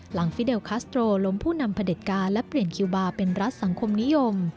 ฟิเดลคัสโตรล้มผู้นำพระเด็จการและเปลี่ยนคิวบาร์เป็นรัฐสังคมนิยม